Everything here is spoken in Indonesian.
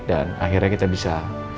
dan akhirnya kita bisa